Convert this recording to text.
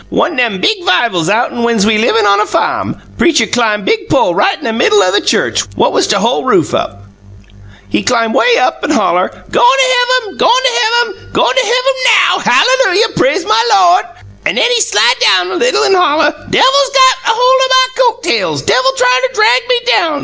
One n'em big 'vivals outen whens we livin' on a fahm, preachuh clim big pole right in a middle o' the church, what was to hol' roof up. He clim way high up, an' holler: 'Goin' to heavum, goin' to heavum, goin' to heavum NOW. Hallelujah, praise my Lawd!' An' he slide down little, an' holler: 'Devil's got a hol' o' my coat tails; devil tryin' to drag me down!